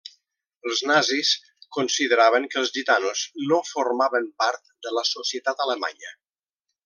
Els nazis consideraven que els gitanos no formaven part de la societat alemanya.